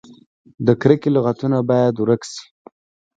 د کرکې لغتونه باید ورک شي.